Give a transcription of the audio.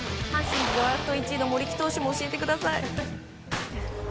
阪神ドラフト１位の森木投手も教えてください。